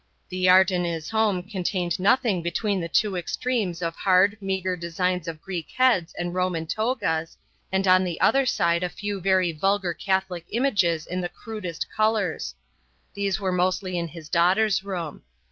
The art in his home contained nothing between the two extremes of hard, meagre designs of Greek heads and Roman togas, and on the other side a few very vulgar Catholic images in the crudest colours; these were mostly in his daughter's room.